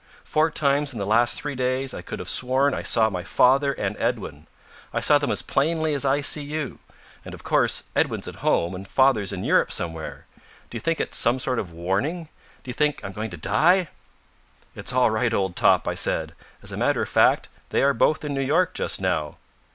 Four times in the last three days I could have sworn I saw my father and Edwin. I saw them as plainly as I see you. And, of course, Edwin's at home and father's in Europe somewhere. Do you think it's some sort of a warning? Do you think I'm going to die?" "It's all right, old top," I said. "As a matter of fact, they are both in New York just now."